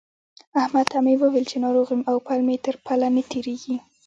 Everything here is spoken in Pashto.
احمد ته مې وويل چې ناروغ يم او پل مې تر پله نه تېرېږي.